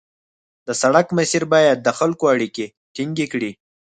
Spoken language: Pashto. د سړک مسیر باید د خلکو اړیکې ټینګې کړي